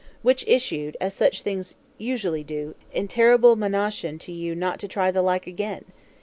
Which issued, as such things usually do, in terrible monition to you not to try the like again!